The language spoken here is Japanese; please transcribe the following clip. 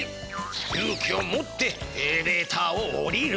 勇気を持ってエレベーターをおりる。